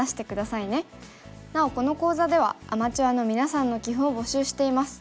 なおこの講座ではアマチュアのみなさんの棋譜を募集しています。